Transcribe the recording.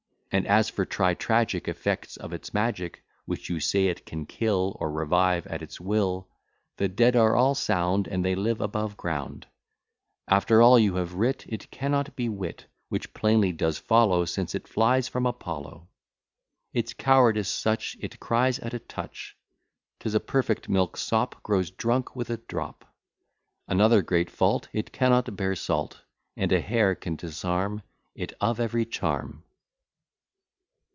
And as for trie tragic effects of its magic, Which you say it can kill, or revive at its will, The dead are all sound, and they live above ground: After all you have writ, it cannot be wit; Which plainly does follow, since it flies from Apollo. Its cowardice such it cries at a touch; 'Tis a perfect milksop, grows drunk with a drop, Another great fault, it cannot bear salt: And a hair can disarm it of every charm.